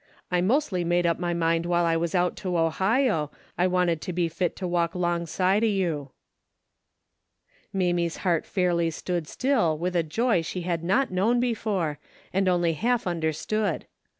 I mostly made up my mind Avhile I AAms out to Ohio, I Avanted to be fit to Avalk along side o' you." Mamie's heart fairly stood still Avith a joy she had not known before and only half un derstood.